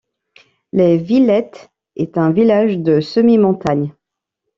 Les Villettes est un village de semi-montagne.